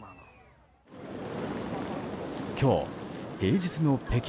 今日、平日の北京。